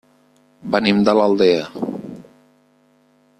Venim de l'Aldea.